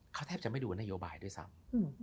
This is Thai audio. เขาแทบจะไม่ดูนโยบายด้วยซ้ำ